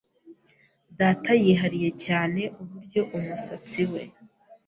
Data yihariye cyane uburyo umusatsi we.